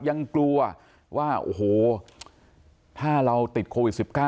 ยังกลัวว่าโอ้โหถ้าเราติดโควิด๑๙